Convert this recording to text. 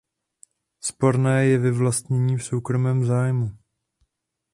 Sporné je vyvlastnění v soukromém zájmu.